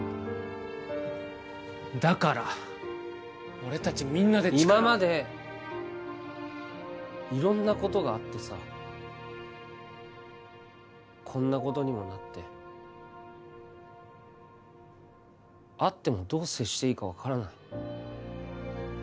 だから俺たちみんなで力を今まで色んなことがあってさこんなことにもなって会ってもどう接していいか分からない